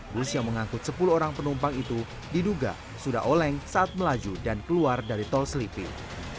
bus yang mengangkut sepuluh orang penumpang itu diduga sudah oleng saat melaju dan keluar dari tol seliping